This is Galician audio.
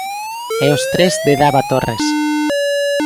E os tres de Dava Torres.